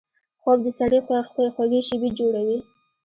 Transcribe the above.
خوب د سړي خوږې شیبې جوړوي